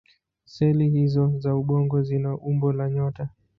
Seli hizO za ubongo zina umbo la nyota.